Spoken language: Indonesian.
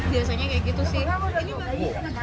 biasanya kayak gitu sih